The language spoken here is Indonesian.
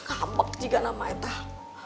ah kabok juga nama etah